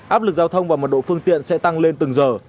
áp lực giao thông và mật độ phương tiện sẽ tăng lên từng giờ